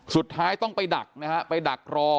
สุดท้ายต้องไปดักนะฮะไปดักรอ